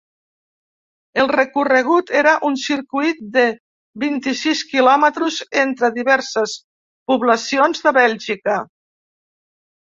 El recorregut era un circuit de vint-i-sis quilòmetres entre diverses poblacions de Bèlgica.